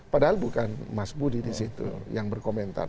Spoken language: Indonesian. padahal bukan mas budi di situ yang berkomentar